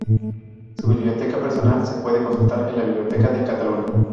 Su biblioteca personal se puede consultar en la Biblioteca de Cataluña.